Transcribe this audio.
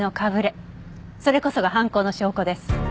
それこそが犯行の証拠です。